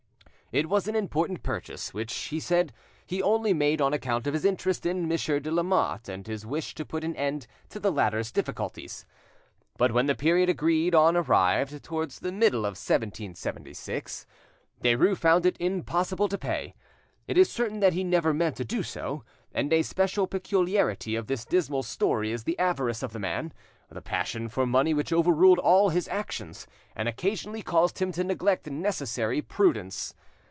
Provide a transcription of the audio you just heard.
It was an important purchase, which, he said, he only made on account of his interest in Monsieur de Lamotte, and his wish to put an end to the latter's difficulties. But when the period agreed on arrived, towards the middle of 1776, Derues found it impossible to pay. It is certain that he never meant to do so; and a special peculiarity of this dismal story is the avarice of the man, the passion for money which overruled all his actions, and occasionally caused him to neglect necessary prudence.